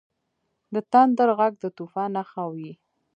• د تندر ږغ د طوفان نښه وي.